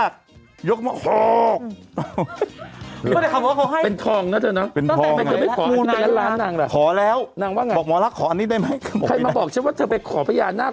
คืออะไรตามใจกำไรพญานาค